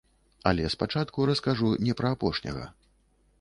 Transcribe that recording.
Але спачатку раскажу не пра апошняга.